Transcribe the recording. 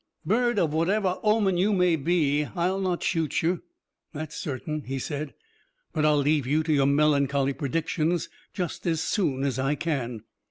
"Bird of whatever omen you may be, I'll not shoot you. That's certain," he said, "but I'll leave you to your melancholy predictions just as soon as I can."